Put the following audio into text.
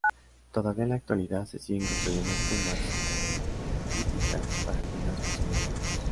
Todavía en la actualidad se siguen construyendo tumbas megalíticas para algunas personas ricas.